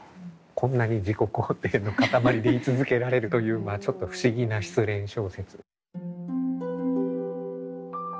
こんなに自己肯定のかたまりで居続けられるというまあちょっと不思議な失恋小説。